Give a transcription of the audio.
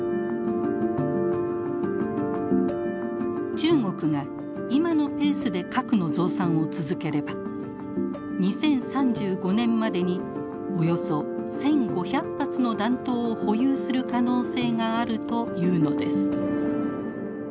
中国が今のペースで核の増産を続ければ２０３５年までにおよそ１，５００発の弾頭を保有する可能性があるというのです。